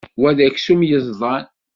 Wa d aksum yeẓdan.